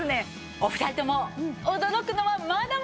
お二人とも驚くのはまだまだ！